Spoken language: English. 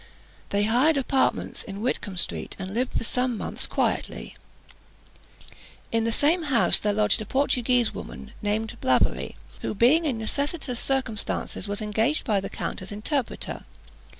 They hired apartments in Whitcombe Street, and lived for some months quietly. In the same house there lodged a Portuguese woman, named Blavary, who, being in necessitous circumstances, was engaged by the count as interpreter.